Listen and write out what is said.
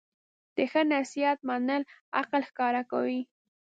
د ښه نصیحت منل عقل ښکاره کوي.